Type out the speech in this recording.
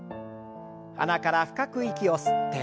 鼻から深く息を吸って。